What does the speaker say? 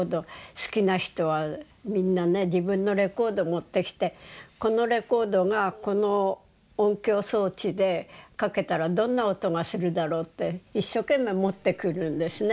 好きな人はみんなね自分のレコード持ってきてこのレコードがこの音響装置でかけたらどんな音がするだろうって一生懸命持ってくるんですね。